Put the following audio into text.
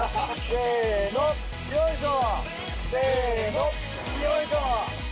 せのよいしょ！